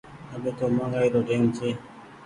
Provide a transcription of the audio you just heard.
اٻي تو مآگآئي رو ٽيم ڇي۔